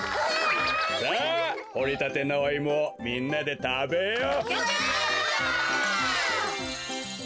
さあほりたてのおイモをみんなでたべよう！わい！